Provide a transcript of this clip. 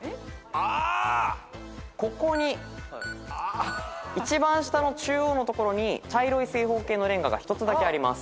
ここに一番下の中央のところに茶色い正方形のれんがが１つだけあります。